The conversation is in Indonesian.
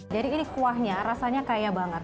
jadi ini kuahnya rasanya kaya banget